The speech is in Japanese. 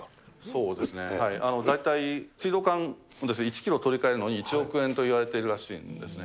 そうですね、大体、水道管１キロ取り替えるのに１億円といわれているらしいんですね。